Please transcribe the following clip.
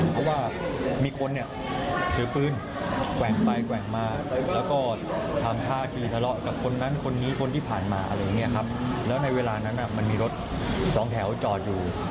ผ่านมาอะไรอย่างเงี้ยครับแล้วในเวลานั้นอ่ะมันมีรถสองแถวจอดอยู่